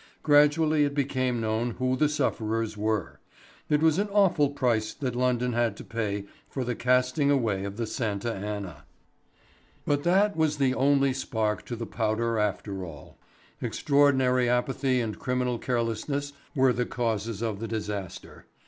Gradually it became known who the sufferers were. It was an awful price that London had to pay for the casting away of the Santa Anna. But that was only the spark to the powder, after all. Extraordinary apathy and criminal carelessness were the causes of the disaster.